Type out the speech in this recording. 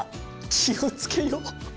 気をつけよ。